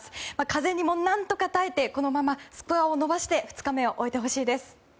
風にも何とか耐えて、このままスコアを伸ばして２日目を終えてほしいです。